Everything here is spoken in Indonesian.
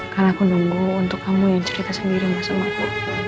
karena aku menunggu untuk kamu yang cerita sendiri sama aku